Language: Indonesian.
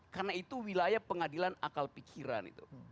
karena itu wilayah pengadilan akal pikiran